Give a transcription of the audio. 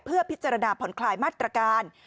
เพื่อพิจารณาผ่อนคลายมาตรการ